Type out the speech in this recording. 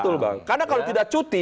betul bang karena kalau tidak cuti